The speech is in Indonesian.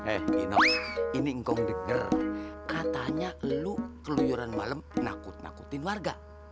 eh inok ini ngong degger katanya lu keluyuran malem nakut nakutin warga